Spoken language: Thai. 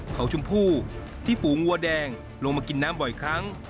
เขาชมพู่ที่ฝูงวัวแดงลงมากินน้ำบ่อยครั้ง